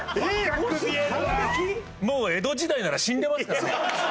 もう江戸時代なら死んでますからね。